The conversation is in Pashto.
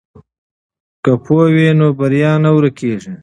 که پوهه وي نو بریا نه ورکیږي.